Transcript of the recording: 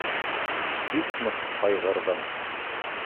Бик ныҡ ҡайғырҙым.